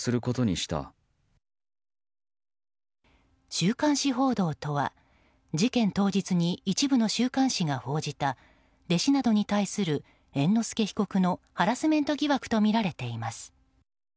週刊誌報道とは事件当日に一部の週刊誌が報じた弟子などに対する猿之助被告のハラスメント疑惑とみられています。